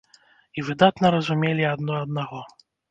І выдатна разумелі адно аднаго.